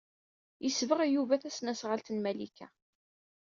Yesbeɣ Yuba tasnasɣalt n Malika.